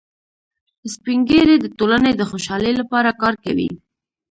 سپین ږیری د ټولنې د خوشحالۍ لپاره کار کوي